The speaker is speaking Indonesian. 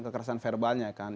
kekerasan verbalnya kan